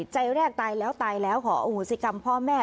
ใจแรกตายแล้วตายแล้วขออโหสิกรรมพ่อแม่